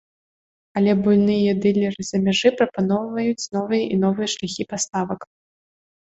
Але буйныя дылеры з-за мяжы прапаноўваюць новыя і новыя шляхі паставак.